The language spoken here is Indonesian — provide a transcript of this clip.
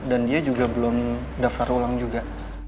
dan dia juga belum daftar ulang juga